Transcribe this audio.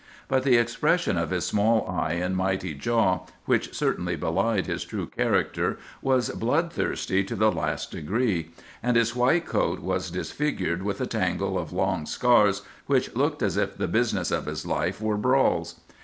"But the expression of his small eye and mighty jaw, which certainly belied his true character, was bloodthirsty to the last degree; and his white coat was disfigured with a tangle of long scars which looked as if the business of his life were brawls.